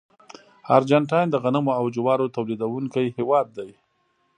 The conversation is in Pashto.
ارجنټاین د غنمو او جوارو تولیدونکي هېوادونه دي.